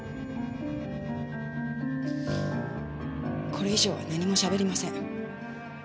これ以上は何もしゃべりません。